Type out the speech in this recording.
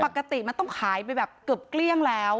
ปกติมันต้องขายไปแบบเกือบเกลี้ยงแล้ว